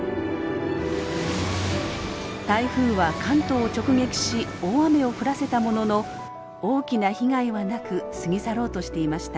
台風は関東を直撃し大雨を降らせたものの大きな被害はなく過ぎ去ろうとしていました。